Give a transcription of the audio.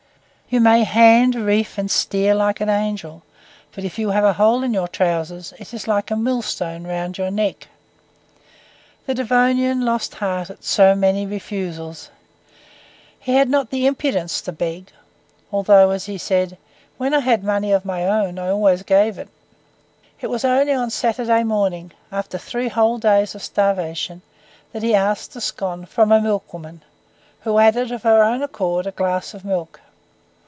You may hand, reef, and steer like an angel, but if you have a hole in your trousers, it is like a millstone round your neck. The Devonian lost heart at so many refusals. He had not the impudence to beg; although, as he said, 'when I had money of my own, I always gave it.' It was only on Saturday morning, after three whole days of starvation, that he asked a scone from a milkwoman, who added of her own accord a glass of milk.